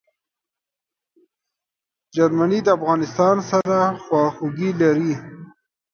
جرمني د افغانستان سره خواخوږي لري.